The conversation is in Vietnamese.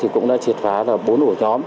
cũng đã triệt phá bốn ổ nhóm